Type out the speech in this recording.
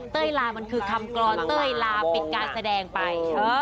เต้ยลามันคือคำกรรมเต้ยลาเป็นการแสดงไป